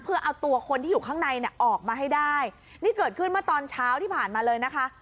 เพื่อเอาตัวคนที่อยู่ข้างในเนี่ยออกมาให้ได้นี่เกิดขึ้นเมื่อตอนเช้าที่ผ่านมาเลยนะคะ